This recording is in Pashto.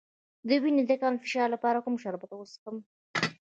د وینې د کم فشار لپاره کوم شربت وڅښم؟